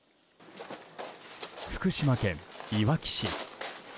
福島県いわき市。